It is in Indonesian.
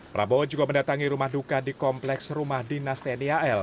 prabowo juga mendatangi rumah duka di kompleks rumah dinas tni al